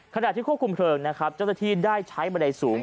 ขณะที่ควบคุมเพลิงนะครับเจ้าหน้าที่ได้ใช้บันไดสูง